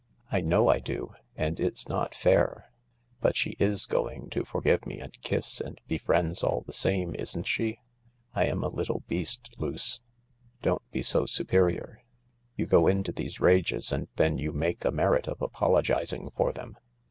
" I know I do 1 And it's not fair ! But she is going to forgive me and kiss and be friends all the same, isn't she ? I am a little beast, Luce." "Don't be so superior. You go into these rages and then you make a merit of apologising for them.